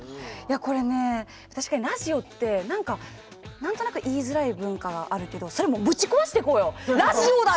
これ、ラジオってなんとなく言いづらい文化あるけどそれをぶち壊していこうよ！